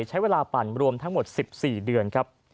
ใช้เวลาปั่นรวมทั้งหมด๑๔เดือนครับ